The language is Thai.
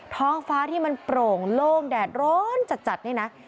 ท้องฟ้าที่มันโปร่งโล่งแดดร้อนจัดนี่นะ